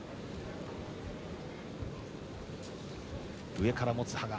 上から持つ羽賀。